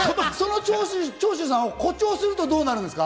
その長州さんを誇張すると、どうなるんですか？